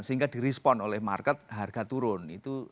sehingga di respon oleh market harga turun